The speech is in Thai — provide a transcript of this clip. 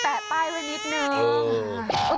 แตะป้ายเกินนิดนึง